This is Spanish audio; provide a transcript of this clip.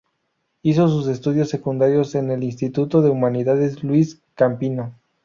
Hizo sus estudios secundarios en el Instituto de Humanidades Luis Campino.